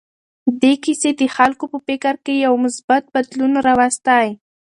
دې کیسې د خلکو په فکر کې یو مثبت بدلون راوستی.